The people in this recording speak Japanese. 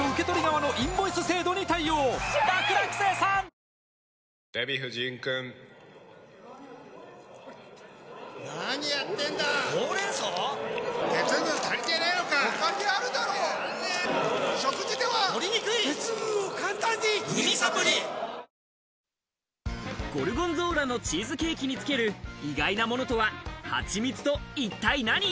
私が大好きで必ず食べるデザゴルゴンゾーラのチーズケーキにつける意外なものとはハチミツと一体何？